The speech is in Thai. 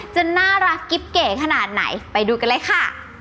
จะน่ารักกิ๊บเก๋ขนาดไหนไปดูกันเลยค่ะ